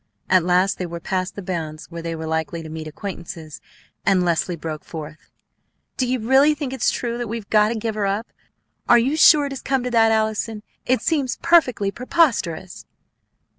At last they were past the bounds where they were likely to meet acquaintances, and Leslie broke forth. "Do you really think it's true that we've got to give her up? Are you sure it has come to that, Allison? It seems perfectly preposterous!"